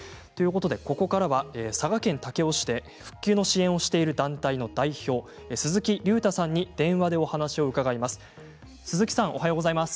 ここからは佐賀県武雄市で復旧の支援をしている団体の代表・鈴木隆太さんに電話でお話を伺います。